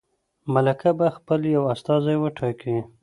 ملکه به خپل یو استازی وټاکي.